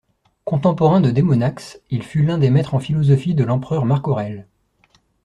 Contemporain de Démonax, il fut l'un des maîtres en philosophie de l'empereur Marc Aurèle.